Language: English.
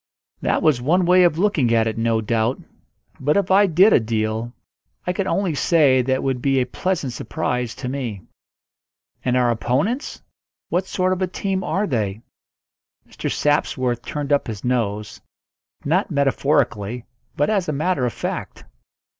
That was one way of looking at it, no doubt; but if I did a deal, I could only say that it would be a pleasant surprise to me. "And our opponents what sort of a team are they?" Mr. Sapsworth turned up his nose not metaphorically, but as a matter of fact.